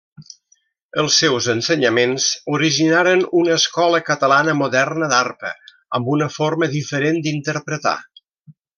Els seus ensenyaments originaren una escola Catalana Moderna d'Arpa, amb una forma diferent d'interpretar.